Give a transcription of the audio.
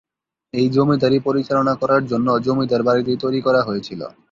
এই জমিদারি পরিচালনা করার জন্য জমিদার বাড়িটি তৈরি করা হয়েছিল।